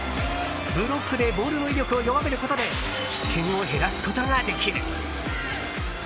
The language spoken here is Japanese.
ブロックでボールの威力を弱めることで失点を減らすことができる。